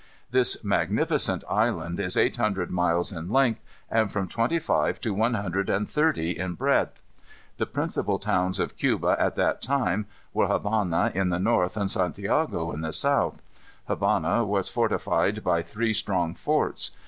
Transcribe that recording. This magnificent island is eight hundred miles in length, and from twenty five to one hundred and thirty in breadth. The principal towns of Cuba, at that time, were Havana on the north and Santiago on the south. Havana was fortified by three strong forts.